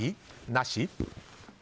なし？